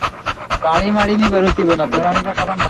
এটা কি সারোগেসি ক্লিনিকের লোকটা?